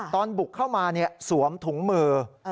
ตอนบุกเข้ามาสวมถุงมือ